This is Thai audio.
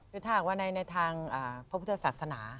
คือถ้าอยากว่าในทางพระพุทธศักดิ์ศาสนา